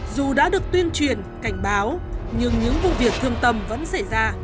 dù đã được tuyên truyền cảnh báo nhưng những vụ việc thương tâm vẫn xảy ra